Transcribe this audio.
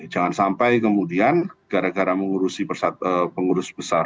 jangan sampai kemudian gara gara mengurusi pengurus besar